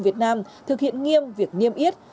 việt nam thực hiện nghiêm việc niêm yết